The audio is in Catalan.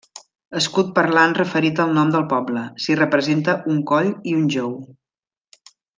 Escut parlant referit al nom del poble: s'hi representa un coll i un jou.